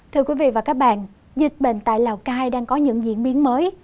thưa quý vị và các bạn dịch bệnh tại lào cai đang có những diễn biến mới